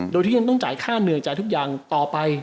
โดยที่ยังต้องจ่ายค่าเหนื่อยจ่ายทุกอย่างต่อไป